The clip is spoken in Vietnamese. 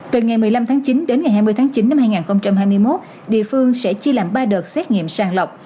từ ngày một mươi năm tháng chín đến ngày hai mươi tháng chín năm hai nghìn hai mươi một địa phương sẽ chia làm ba đợt xét nghiệm sàng lọc